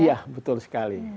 iya betul sekali